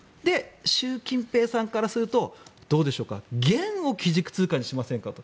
習近平さんからするとどうでしょうか元を基軸通貨にしませんか？と。